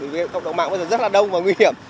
vì cộng đồng mạng bây giờ rất là đông và nguy hiểm